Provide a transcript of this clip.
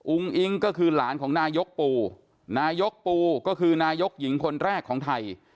อิ๊งก็คือหลานของนายกปูนายกปูก็คือนายกหญิงคนแรกของไทย